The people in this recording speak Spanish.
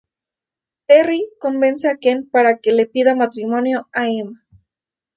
Terri convence a Ken para que le pida matrimonio a Emma.